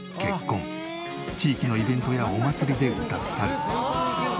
地域のイベントやお祭りで歌ったり。